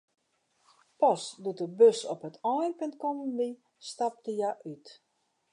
Pas doe't de bus op it einpunt kommen wie, stapte hja út.